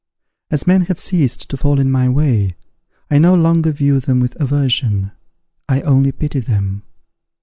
As men have ceased to fall in my way, I no longer view them with aversion; I only pity them.